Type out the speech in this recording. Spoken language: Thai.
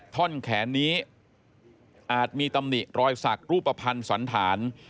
ท่อนแขนนี้อาจมีตำหนิรอยสักรูปภัณฑ์สันธาร